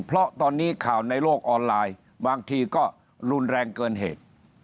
เพราะตอนนี้ข่าวในโลกออนไลน์บางทีก็รุนแรงเกินเหตุ